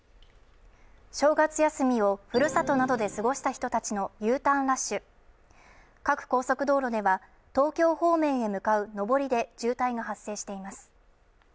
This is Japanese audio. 正月休みをふるさとなどで過ごした人たちのＵターンラッシュ、各高速道路では東京方面へ向かう上りで渋滞が発生しています。